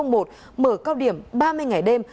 mở cao điểm ba mươi ngày đêm